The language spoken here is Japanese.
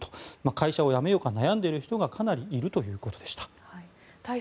会社を辞めようか悩んでいる人がかなりいるということでした。